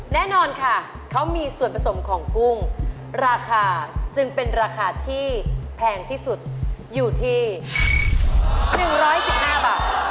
แน่นอนค่ะเขามีส่วนผสมของกุ้งราคาจึงเป็นราคาที่แพงที่สุดอยู่ที่๑๑๕บาท